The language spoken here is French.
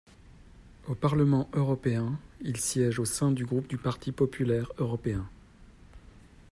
Au parlement européen, il siège au sein du groupe du Parti populaire européen.